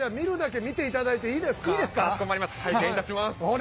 拝見いたします。